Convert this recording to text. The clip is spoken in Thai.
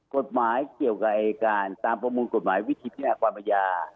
กฎหมายเกี่ยวกับอายการตามประมวลกฎหมายวิธีพินาความอาญา